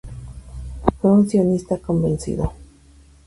Fue un sionista convencido.